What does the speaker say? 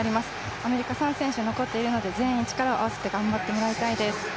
アメリカ３選手残っているので全員力を合わせて頑張ってもらいたいです。